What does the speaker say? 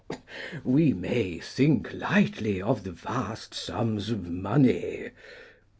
"We may think lightly of the vast sums of money!"